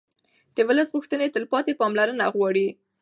د ولس غوښتنې تلپاتې پاملرنه غواړي